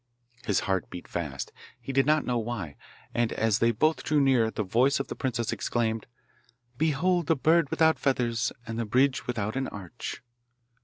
His heart beat fast he did not know why and as they both drew near the voice of the princess exclaimed, 'Behold the bird without feathers and the bridge without an arch!